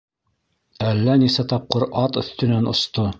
Әллә нисә тапҡыр ат өҫтөнән... осто!